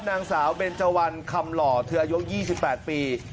นางสาวเบนเจวันคำหล่อเธออายุ๒๘ปี